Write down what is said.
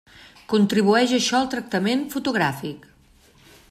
Contribueix a això el tractament fotogràfic.